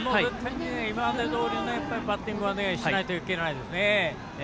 今までどおりのバッティングはしないといけないですね。